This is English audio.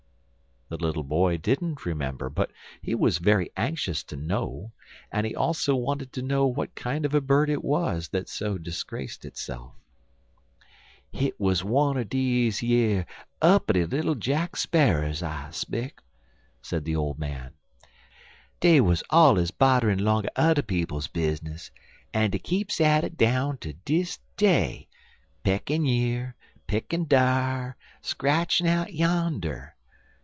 The little boy didn't remember, but he was very anxious to know, and he also wanted to know what kind of a bird it was that so disgraced itself. "Hit wuz wunner dese yer uppity little Jack Sparrers, I speck," said the old man; "dey wuz allers bodder'n' longer udder fokes's bizness, en dey keeps at it down ter dis day peckin' yer, en pickin' dar, en scratchin' out yander.